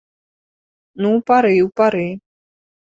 Ну, у пары, у пары!